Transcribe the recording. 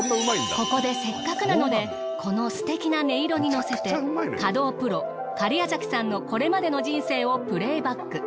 ここでせっかくなのでこのすてきな音色に乗せて華道プロ假屋崎さんのこれまでの人生をプレイバック。